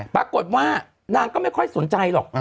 ปรากฏว่านางก็ไม่ค่อยสนใจหรอก